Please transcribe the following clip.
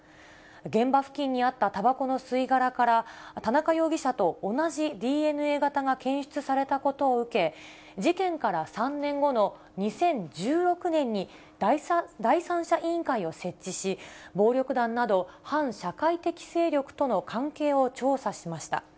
現場付近にあったたばこの吸い殻から、田中容疑者と同じＤＮＡ型が検出されたことを受け、事件から３年後の２０１６年に、第三者委員会を設置し、暴力団など、反社会的勢力との関係を調査しました。